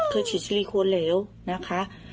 ฉีดซิลิโคนเหลวนะคะ